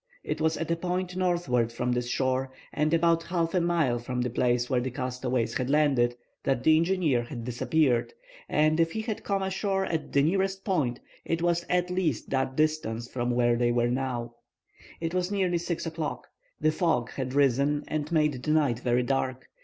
It was at a point northward from this shore, and about half a mile from the place where the castaways had landed, that the engineer had disappeared, and if he had come ashore at the nearest point it was at least that distance from where they now were. It was nearly 6 o'clock. The fog had risen and made the night very dark.